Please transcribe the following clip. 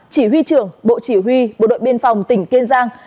chỉ huy trưởng bộ chỉ huy bộ đội biên phòng tỉnh kiên giang